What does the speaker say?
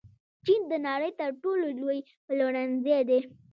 چین د نړۍ تر ټولو لوی پلورنځی دی.